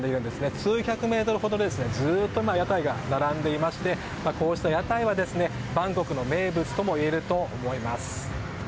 数百メートルほどずっと屋台が並んでいましてこうした屋台はバンコクの名物と言えると思います。